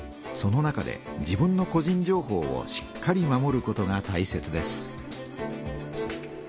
その中で自分の個人情報をしっかり守ることがたいせつです。